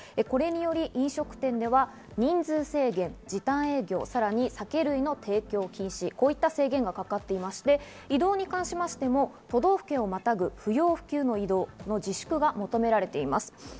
それにより飲食店では人数制限、時短営業、酒類の提供禁止といった制限がかかっていまして移動についても都道府県をまたぐ不要不急の移動を自粛するよう求められています。